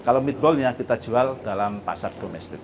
kalau meetballnya kita jual dalam pasar domestik